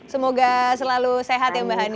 semoga selalu sehat ya mbak hani